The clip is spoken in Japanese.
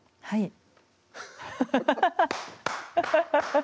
はい！